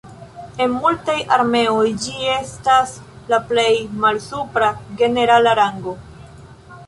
En multaj armeoj ĝi estas la plej malsupra generala rango.